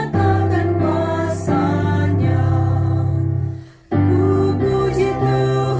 dan mereka mengambil itu